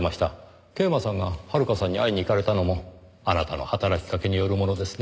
桂馬さんが遥さんに会いにいかれたのもあなたの働きかけによるものですね？